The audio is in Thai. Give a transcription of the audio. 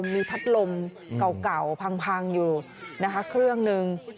มีพัดลมเก่าพังอยู่นะคะเครื่องหนึ่ง